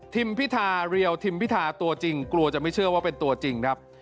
พิธาเรียวทิมพิธาตัวจริงกลัวจะไม่เชื่อว่าเป็นตัวจริงครับ